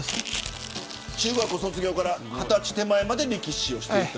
中学卒業から２０歳手前まで力士をしていた。